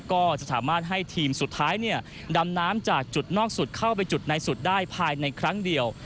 ก็จะสามารถให้ทีมสุดท้ายดำน้ำจากจุดนอกสุดเข้าไปจุดในสุดได้ภายในครั้งเดียว